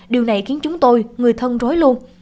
điều này khiến chúng tôi người thân rối luôn